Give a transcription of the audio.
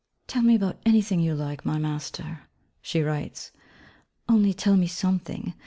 'Tell me about anything you like, my Master,' she writes, 'only tell me something!